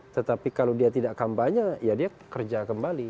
tetapi kalau dia tidak kampanye ya dia kerja kembali